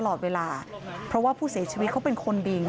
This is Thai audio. โชว์บ้านในพื้นที่เขารู้สึกยังไงกับเรื่องที่เกิดขึ้น